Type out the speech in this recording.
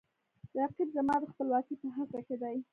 رقیب زما د خپلواکۍ په هڅه کې دی